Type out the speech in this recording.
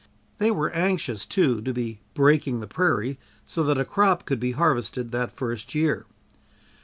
They were anxious, too, to be "breaking" the prairie so that a crop could be harvested that first year.